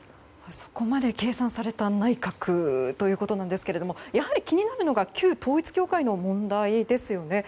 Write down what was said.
そこまで計算された内閣ということなんですがやはり気になるのが旧統一教会の問題ですよね。